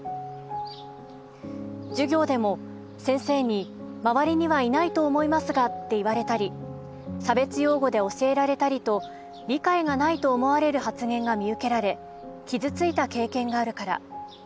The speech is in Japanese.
授業でも先生に『周りにはいないと思いますが』って言われたり差別用語で教えられたりと理解がないと思われる発言が見受けられ傷ついた経験があるから。